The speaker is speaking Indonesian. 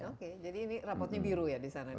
oke jadi ini rapotnya biru ya di sana